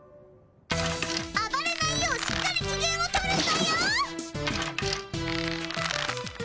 あばれないようしっかりきげんをとるんだよ。